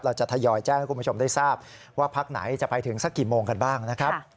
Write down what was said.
จะทยอยแจ้งให้คุณผู้ชมได้ทราบว่าพักไหนจะไปถึงสักกี่โมงกันบ้างนะครับ